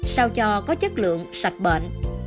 sao cho có chất lượng sạch bệnh